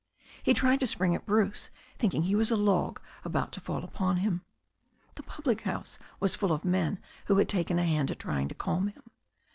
He tried to spring at Bruce, thinking he was a log about to fall upon him. The public house was full of men who had taken a hand at trying to calm him.